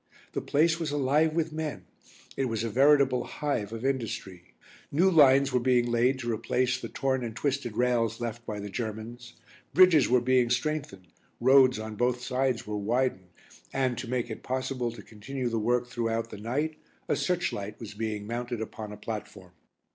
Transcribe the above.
The place was alive with men; it was a veritable hive of industry; new lines were being laid to replace the torn and twisted rails left by the Germans; bridges were being strengthened, roads on both sides were widened, and, to make it possible to continue the work throughout the night, a searchlight was being mounted upon a platform.